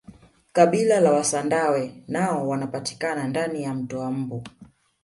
kabila la wasandawe nao wanapatikana ndani ya mto wa mbu